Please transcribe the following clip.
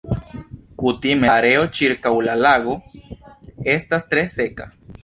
Kutime la areo ĉirkaŭ la lago estas tre seka.